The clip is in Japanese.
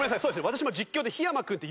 私も。